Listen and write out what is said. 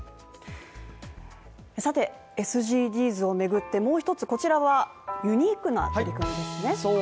さて、ＳＧＤｓをめぐってもう一つこちらはユニークな取り組みですね